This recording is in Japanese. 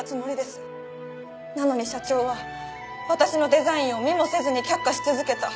なのに社長は私のデザインを見もせずに却下し続けた。